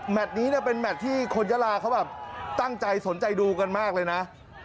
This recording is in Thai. นี้เป็นแมทที่คนยาลาเขาแบบตั้งใจสนใจดูกันมากเลยนะ